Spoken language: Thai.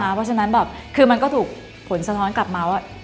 เพราะฉะนั้นแบบคือมันก็ถูกผลสะท้อนกลับมาว่า